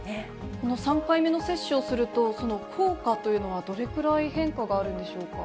この３回目の接種をすると、その効果というのはどれくらい変化があるんでしょうか。